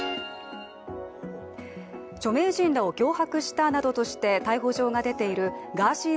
著名人らを脅迫したなどとして逮捕状が出ているガーシー